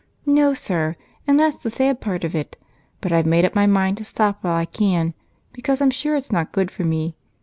"No, sir, and that's the sad part of it, but I've made up my mind to stop while I can because I'm sure it is not good for me.